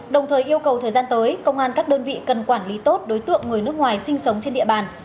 đồng thời yêu cầu thời gian tới công an các đơn vị cần quản lý tốt đối tượng người nước ngoài sinh sống trên địa bàn